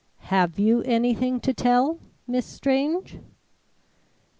"Have you anything to tell, Miss Strange?"